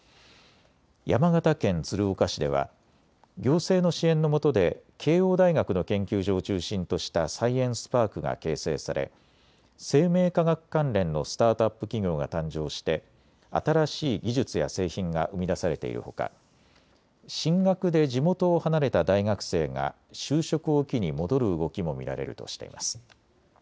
山形県鶴岡市では行政の支援のもとで慶応大学の研究所を中心としたサイエンスパークが形成され生命科学関連のスタートアップ企業が誕生して新しい技術や製品が生み出されているほか、進学で地元を離れた大学生が就職を機に戻る動きも見られるとしています。